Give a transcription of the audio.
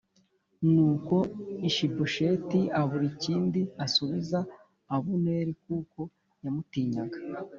Nuko Ishibosheti abura ikindi asubiza Abuneri kuko yamutinyaga.